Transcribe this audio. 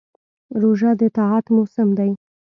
روژه د طاعت موسم دی.